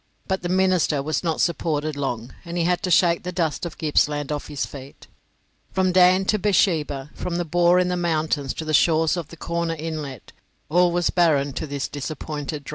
But the minister was not supported long, and he had to shake the dust of Gippsland off his feet. From Dan to Beersheba from the bore in the mountains to the shores of Corner Inlet, all was barren to this disappointed drover.